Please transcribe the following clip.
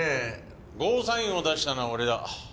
ゴーサインを出したのは俺だ。